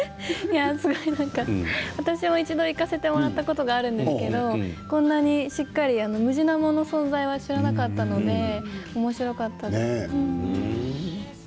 すごい、なんか私も一度行かせてもらったことあるんですけどこんなにしっかりムジナモの存在は知らなかったのでおもしろかった。